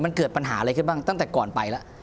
มันเกิดปัญหาอะไรขึ้นบ้างตั้งแต่ก่อนไปแล้ว